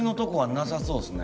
なさそうですね。